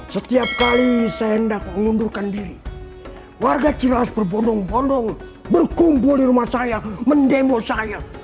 setiap kali saya hendak mengundurkan diri warga cila harus berbondong bondong berkumpul di rumah saya mendemo saya